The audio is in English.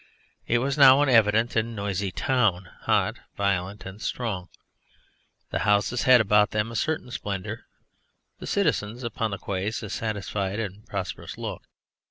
It was now an evident and noisy town; hot, violent, and strong. The houses had about them a certain splendour, the citizens upon the quays a satisfied and prosperous look.